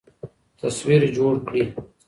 تصوير جوړ كړي